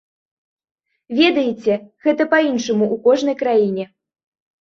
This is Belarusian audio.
Ведаеце, гэта па-іншаму ў кожнай краіне.